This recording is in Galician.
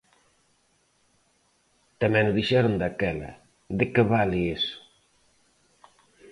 Tamén o dixeron daquela, ¿de que vale iso?